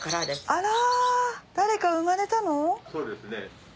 あら。